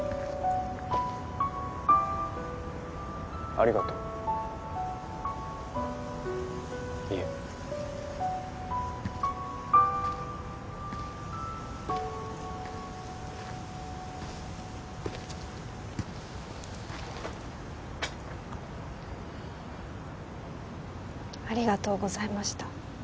ありがとういえありがとうございました